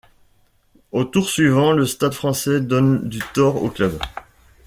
Au tour suivant, le Stade français donne du tort au club.